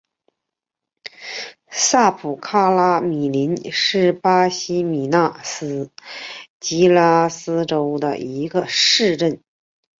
萨普卡伊米林是巴西米纳斯吉拉斯州的一个市镇。